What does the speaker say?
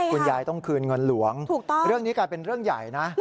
คุณยายต้องคืนเงินหลวงเรื่องนี้กลายเป็นเรื่องใหญ่นะ